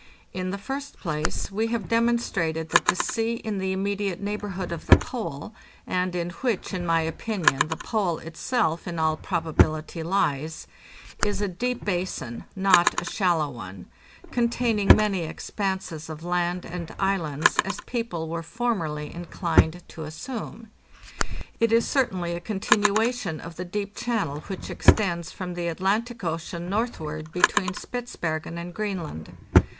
In the first place, we have demonstrated that the sea in the immediate neighborhood of the Pole, and in which, in my opinion, the Pole itself in all probability lies, is a deep basin, not a shallow one, containing many expanses of land and islands, as people were formerly inclined to assume. It is certainly a con tinuation of the deep channel which extends from the Atlantic Ocean northward between Spitzbergen and Greenland.